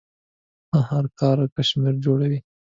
له هر کار کشمیر جوړوي.